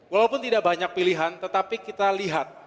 walaupun tidak banyak pilihan tetapi kita lihat